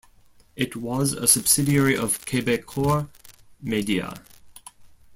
It was a subsidiary of Quebecor Media.